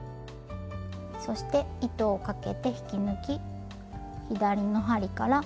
そして糸をかけて引き抜き左の針から目を外します。